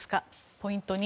ポイント２。